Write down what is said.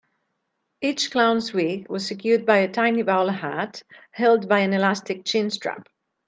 Each clown's wig was secured by a tiny bowler hat held by an elastic chin-strap.